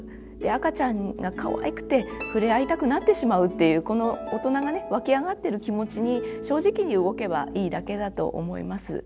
赤ちゃんがかわいくて触れ合いたくなってしまうっていうこの大人がね湧き上がってる気持ちに正直に動けばいいだけだと思います。